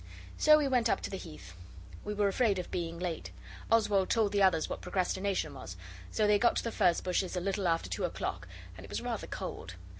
So we went up to the Heath. We were afraid of being late. Oswald told the others what Procrastination was so they got to the furze bushes a little after two o'clock, and it was rather cold.